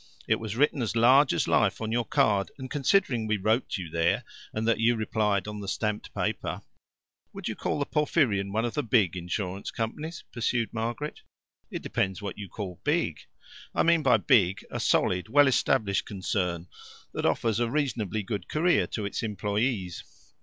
"It was written as large as life on your card, and considering we wrote to you there, and that you replied on the stamped paper " "Would you call the Porphyrion one of the big Insurance Companies?" pursued Margaret. "It depends what you call big." "I mean by big, a solid, well established concern, that offers a reasonably good career to its employes."